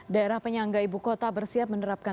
daerah penyangga ibu kota bersiap menerapkan